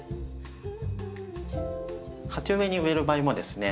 鉢植えに植える場合もですね